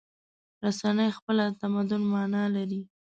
رسنۍ خپله د تمدن معنی لري.